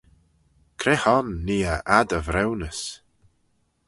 Cre hon nee eh ad y vriwnys?